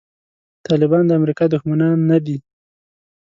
طالبان د امریکا دښمنان نه دي.